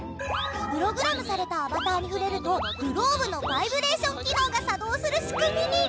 プログラムされたアバターに触れるとグローブのバイブレーション機能が作動する仕組みに！